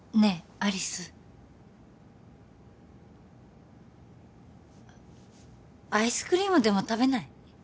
有栖アイスクリームでも食べない？